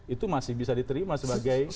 itu masih bisa diterima sebagai